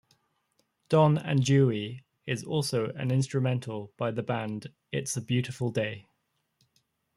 "Don and Dewey" is also an instrumental by the band It's a Beautiful Day.